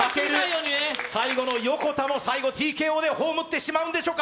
最後の横田もＴＫＯで葬ってしまうんでしょうか？